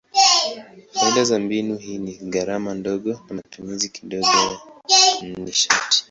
Faida za mbinu hii ni gharama ndogo na matumizi kidogo ya nishati.